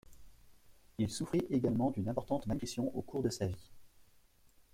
Il souffrit également d'une importante malnutrition au cours de sa vie.